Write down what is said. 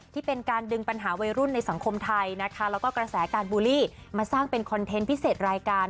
ที่เป็นการดึงปัญหาวัยรุ่นในสังคมไทยนะคะแล้วก็กระแสการบูลลี่มาสร้างเป็นคอนเทนต์พิเศษรายการ